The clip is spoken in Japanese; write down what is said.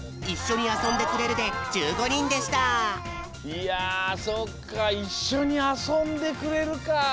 いやそっか「いっしょにあそんでくれる」か。